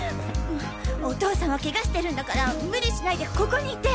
お父さんはケガしてるんだからムリしないでここにいて！